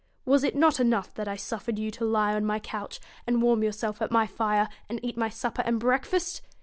Was it not enough that I suffered you to lie on my couch, and warm yourself at my fire, and eat my 83 BEAUTY supper and breakfast?